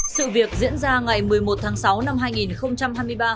sự việc diễn ra ngày một mươi một tháng sáu năm hai nghìn hai mươi ba